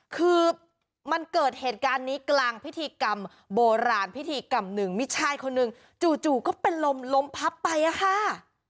คือมันเกิดเหตุการณ์นี้กลางพิธีกรรมโบราณพิธีกรรมหนึ่งมีชายคนหนึ่งจู่ก็เป็นลมลมพับไปอะค่ะ